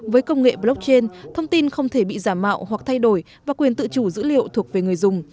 với công nghệ blockchain thông tin không thể bị giả mạo hoặc thay đổi và quyền tự chủ dữ liệu thuộc về người dùng